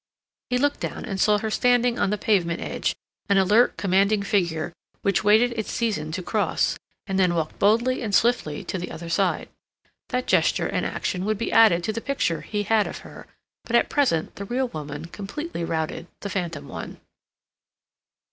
He looked down and saw her standing on the pavement edge, an alert, commanding figure, which waited its season to cross, and then walked boldly and swiftly to the other side. That gesture and action would be added to the picture he had of her, but at present the real woman completely routed the phantom one.